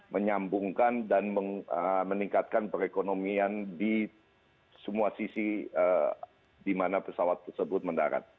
menyambungkan dan meningkatkan perekonomian di semua sisi di mana pesawat tersebut mendarat